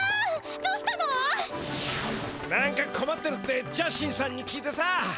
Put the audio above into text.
何かこまってるってジャシンさんに聞いてさ。